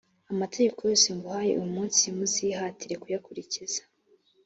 amategeko yose nguhaye uyu munsi muzihatire kuyakurikiza